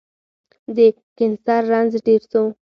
د کېنسر رنځ ډير سو